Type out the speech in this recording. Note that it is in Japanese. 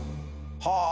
はあ。